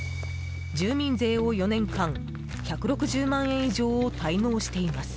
住民税を４年間１６０万円以上を滞納しています。